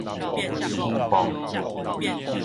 起磅